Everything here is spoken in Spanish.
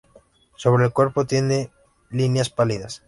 Sobre el cuerpo tiene líneas pálidas.